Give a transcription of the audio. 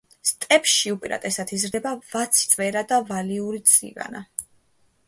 სტეპში უპირატესად იზრდება ვაციწვერა და ვალიური წივანა.